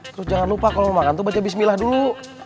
terus jangan lupa kalau mau makan tuh baca bismillah dulu